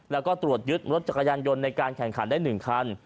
แล้วก็ตรวจยึดรถจักรยานยนต์ในการแข่งขันได้๑คัน